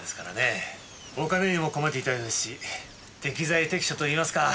お金にも困っていたようですし適材適所といいますか。